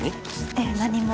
ええ何も。